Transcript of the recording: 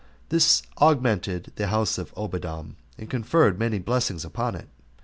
This augmented the house of Obededom, and conferred many blessings upon it.